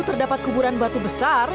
terdapat kuburan batu besar